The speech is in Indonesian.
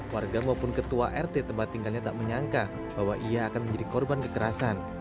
warga maupun ketua rt tempat tinggalnya tak menyangka bahwa ia akan menjadi korban kekerasan